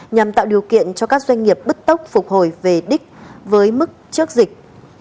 nhằm tạo điều kiện cho các doanh nghiệp bứt tốc phục hồi về đích với mức trước dịch